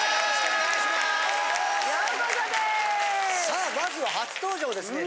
さあまずは初登場ですね